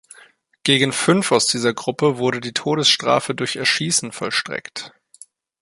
Gegen fünf aus dieser Gruppe wurde die Todesstrafe durch Erschießen vollstreckt.